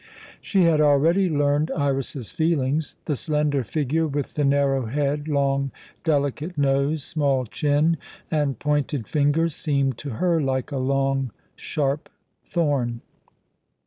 She had already learned Iras's feelings. The slender figure with the narrow head, long, delicate nose, small chin, and pointed fingers, seemed to her like a long, sharp thorn.